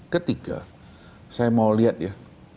ketiga saya mau lihat ya